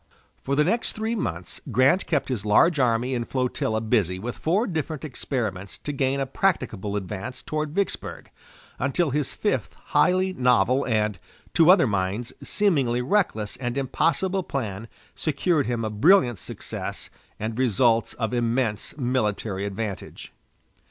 For the next three months Grant kept his large army and flotilla busy with four different experiments to gain a practicable advance toward Vicksburg, until his fifth highly novel and, to other minds, seemingly reckless and impossible plan secured him a brilliant success and results of immense military advantage.